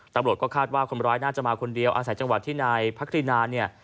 ตำรวจก็คาดว่าคนร้ายน่าจะมาคนเดียวอาศัยจังหวัดที่นายพักครินาเนี่ย